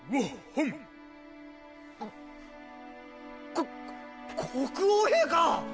こ国王陛下！